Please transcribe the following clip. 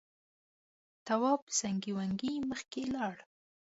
تواب زانگې وانگې مخکې لاړ.